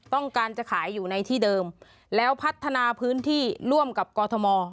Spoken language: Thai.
ต้องการจะขายอยู่ในที่เดิมแล้วพัฒนาพื้นที่ร่วมกับกอทม